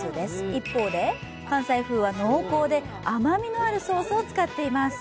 一方で、関西風は濃厚で甘みのあるソースを使っています。